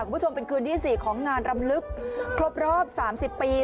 คุณผู้ชมเป็นคืนที่๔ของงานรำลึกครบรอบ๓๐ปี